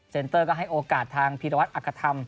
เตอร์ก็ให้โอกาสทางพีรวัตรอักษธรรม